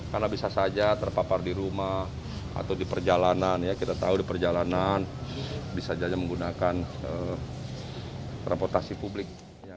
karena bisa saja terpapar di rumah atau di perjalanan kita tahu di perjalanan bisa saja menggunakan transportasi publik